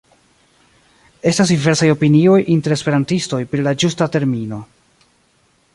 Estas diversaj opinioj inter esperantistoj pri la ĝusta termino.